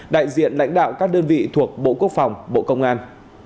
đại diện lãnh đạo các đơn vị thuộc bộ quốc phòng bộ công an